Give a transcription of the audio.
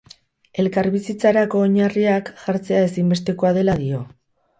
Elkarbizitzarako oinarriak jartzea ezinbestekoa dela dio.